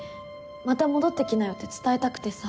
また戻ってきなよ」って伝えたくてさ。